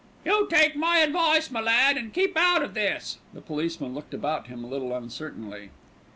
"You take my advice, my lad, and keep out of this." The policeman looked about him a little uncertainly.